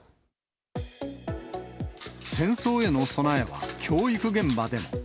戦争への備えは教育現場でも。